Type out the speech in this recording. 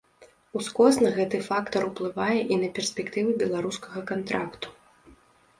Ускосна гэты фактар уплывае і на перспектывы беларускага кантракту.